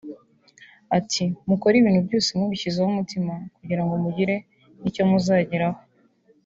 ati “mukore ibintu byose mubishyizeho umutima; kugira ngo mugire icyo muzageraho